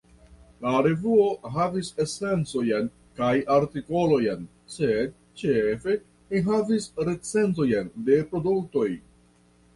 La revuo havis eseojn kaj artikolojn, sed ĉefe enhavis recenzojn de produktoj.